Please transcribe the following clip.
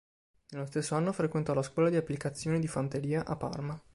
Nello stesso anno frequentò la Scuola di Applicazione di Fanteria a Parma.